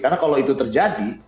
karena kalau itu terjadi